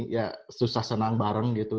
ya susah senang bareng gitu